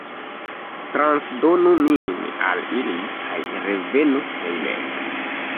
Transdonu min al ili kaj revenu hejmen.